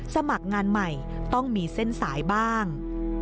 สมัครงานใหม่ต้องมีเส้นสายบ้าง